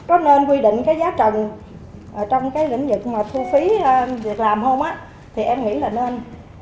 có nên quy định cái giá trần trong cái lĩnh vực thu phí việc làm không á thì em nghĩ là nên